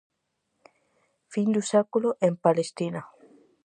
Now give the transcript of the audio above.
Fin de século en Palestina.